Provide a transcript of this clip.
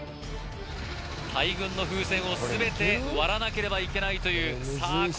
大群の風船を全て割らなければいけないというさあ